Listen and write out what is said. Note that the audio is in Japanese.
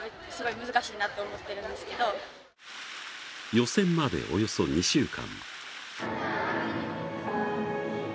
予選まで、およそ２週間。